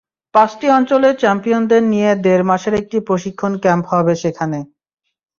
পাঁচটি অঞ্চলের চ্যাম্পিয়নদের নিয়ে দেড় মাসের একটি প্রশিক্ষণ ক্যাম্প হবে সেখানে।